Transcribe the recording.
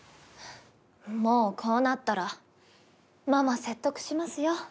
もうこうなったらママ説得しますよ。